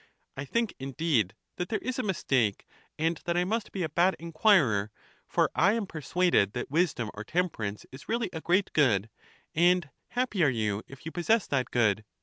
I think indeed that there is a mistake, and that I must be a ba J inquirer, for I am persuaded that wisdom or temperance is really a great good ; and happy are you if you possess that good.